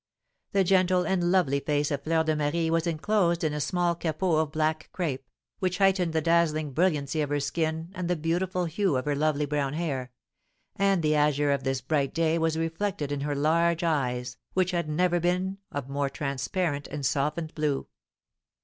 The gentle and lovely face of Fleur de Marie was enclosed in a small capot of black crape, which heightened the dazzling brilliancy of her skin and the beautiful hue of her lovely brown hair; and the azure of this bright day was reflected in her large eyes, which had never been of more transparent and softened blue.